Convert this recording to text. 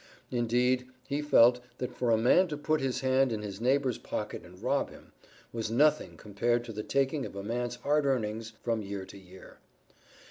Indeed he felt, that for a man to put his hand in his neighbor's pocket and rob him, was nothing compared to the taking of a man's hard earnings from year to year.